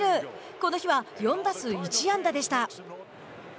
この日は４打数１安打でした。